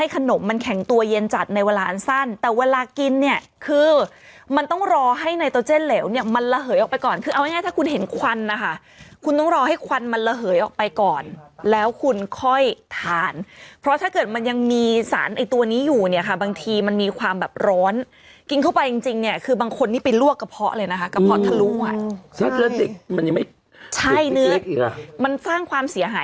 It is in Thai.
คือมันต้องรอให้ในตัวเจ่นเหลวเนี่ยมันระเหยออกไปก่อนคือเอาง่ายถ้าคุณเห็นควันนะคะคุณต้องรอให้ควันมันระเหยออกไปก่อนแล้วคุณค่อยทานเพราะถ้าเกิดมันยังมีสารไอ้ตัวนี้อยู่เนี่ยค่ะบางทีมันมีความแบบร้อนกินเข้าไปจริงเนี่ยคือบางคนนี่ไปลวกกระเพาะเลยนะคะกระเพาะทะลุค่ะใช่เนื้อมันสร้างความเสี